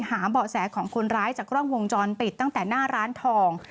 เบาะแสของคนร้ายจากกล้องวงจรปิดตั้งแต่หน้าร้านทอง